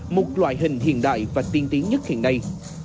một loại hình hiện đại và tiên tiến nhất hiện nay